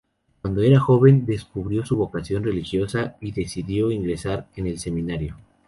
Cuando era joven descubrió su vocación religiosa y decidió ingresar en el seminario.